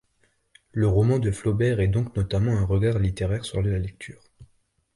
Le roman de Flaubert est donc notamment un regard littéraire sur la lecture.